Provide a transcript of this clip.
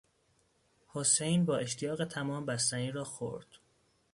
حسین با اشتیاق تمام بستنی را خورد.